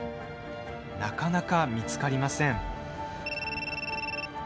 なかなか見つかりません。